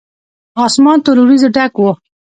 اسمان تورو وريځو ډک و.